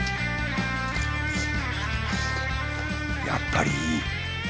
やっぱりいい。